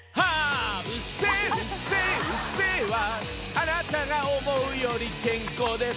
あなたが思うより健康です